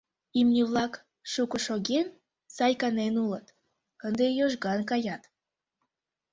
Имне-влак, шуко шоген, сай канен улыт, ынде йожган каят.